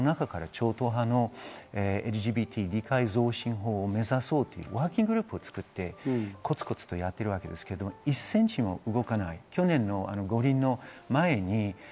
７年前に自民党の中から超党派のＬＧＢＴ理解増進を目指そうというワーキンググループを作ってコツコツとやってるわけですけど、１センチも動かない。